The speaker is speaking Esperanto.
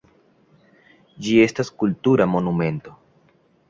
Ĝi estas kultura monumento.